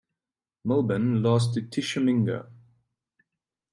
Milburn lost to Tishomingo.